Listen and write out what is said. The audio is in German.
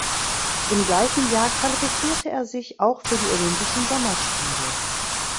Im gleichen Jahr qualifizierte er sich auch für die Olympischen Sommerspiele.